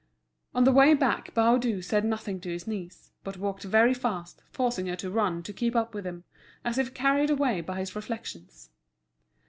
On the way back Baudu said nothing to his niece, but walked very fast, forcing her to run to keep up with him, as if carried away by his reflections.